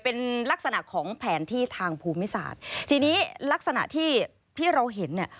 เป็นลักษณะของแผนที่ทางภูมิศาสตร์ทีนี้ลักษณะที่ที่เราเห็นเนี่ย